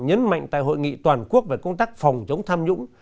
nhấn mạnh tại hội nghị toàn quốc về công tác phòng chống tham nhũng